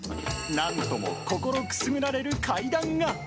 なんとも心くすぐられる階段が。